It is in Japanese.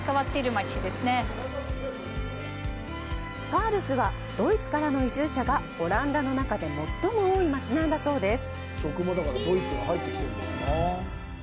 ファールスは、ドイツからの移住者がオランダの中で最も多い街なんだそうです。